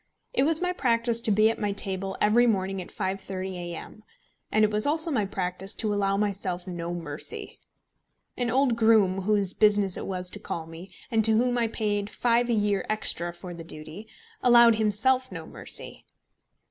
It was my practice to be at my table every morning at 5.30 A.M.; and it was also my practice to allow myself no mercy. An old groom, whose business it was to call me, and to whom I paid £5 a year extra for the duty, allowed himself no mercy.